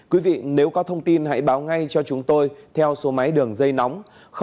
quý vị nếu có thông tin hãy báo ngay cho chúng tôi theo số máy đường dây nóng